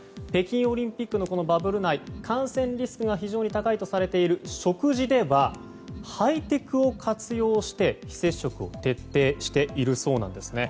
北京オリンピックのバブル内感染リスクが非常に高いとされる食事ではハイテクを活用して非接触を徹底しているそうです。